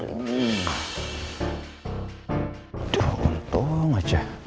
aduh untung aja